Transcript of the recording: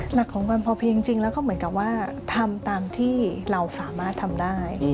หลักของความพอเพียงจริงแล้วก็เหมือนกับว่าทำตามที่เราสามารถทำได้